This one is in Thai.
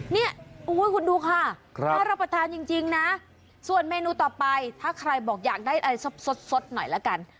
เนี่ยคุณดูค่ะน่ารับประทานจริงนะส่วนเมนูต่อไปถ้าใครบอกอยากได้อะไรสดหน่อยละกัน